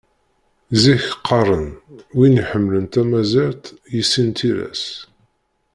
Zik qqaren: Win iḥemmlen tamaziɣt, yissin tira-s.